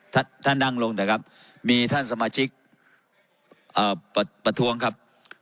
ท่านท่านนั่งลงนะครับมีท่านสมาชิกประท้วงครับ